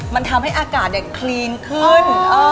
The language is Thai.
มันทำให้อากาศคลีนขึ้น